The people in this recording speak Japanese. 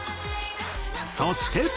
そして。